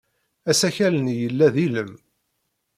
Asakal-nni yella d ilem.